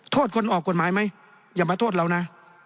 โทษคนออกกฎหมายไหมอย่ามาโทษเรานะ